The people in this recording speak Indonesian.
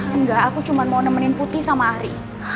enggak aku cuma mau nemenin putih sama ari